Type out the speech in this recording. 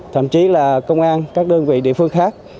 thậm chí là công an các đơn vị địa phương khác